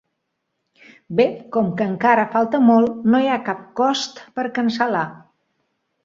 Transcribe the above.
Bé, com que encara falta molt no hi ha cap cost per cancel·lar.